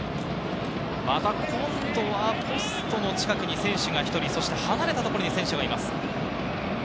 また今度はポストの近くに選手が１人離れたところに選手がいます。